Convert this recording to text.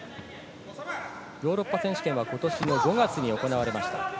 ヨーロッパ選手権は今年の５月に行われました。